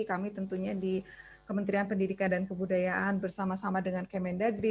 kami tentunya di kementerian pendidikan dan kebudayaan bersama sama dengan kemendagri